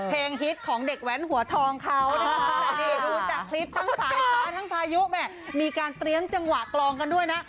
เพลงฮิตของเด็กแหวนหัวทองเขาดูจากคลิปทั้งภายุมีการเตรียมจังหวะกลองกันด้วยนะ